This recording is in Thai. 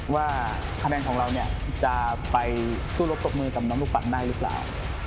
ว่าคะแนนของเราเนี่ยจะไปสู้รบตบมือกับน้องลูกปั่นได้หรือเปล่า